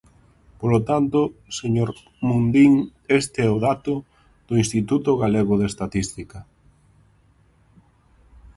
Polo tanto, señor Mundín, este é o dato do Instituto Galego de Estatística.